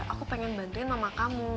aku pengen bantuin mama kamu